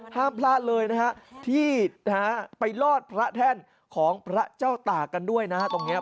ห้ามพลาดเลยนะฮะที่ไปลอดพระแท่นของพระเจ้าตากกันด้วยนะฮะตรงนี้